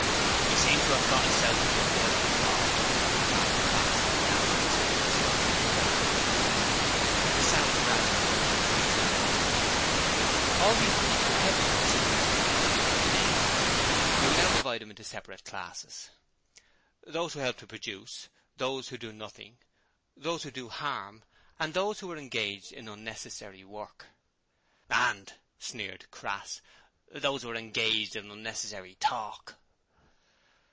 ''E seems to 'ave got 'isself into a bit of a fog,' remarked Crass in a loud whisper to Slyme, who laughed. The sound roused Owen, who resumed: 'All these people help to consume the things produced by labour. We will now divide them into separate classes. Those who help to produce; those who do nothing, those who do harm, and those who are engaged in unnecessary work.' 'And,' sneered Crass, 'those who are engaged in unnecessary talk.'